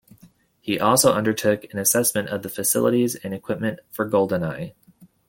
He also undertook an assessment of the facilities and equipment for Goldeneye.